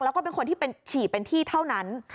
แล้วก็เป็นคนที่เป็นฉีดเป็นที่เท่านั้น